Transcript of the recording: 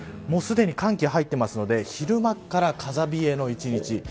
すでに寒気が入っているので昼間から風冷えの１日。